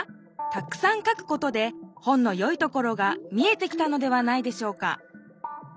たくさん書くことで本のよいところが見えてきたのではないでしょうか。